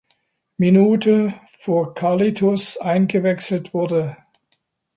Minute für Carlitos eingewechselt wurde.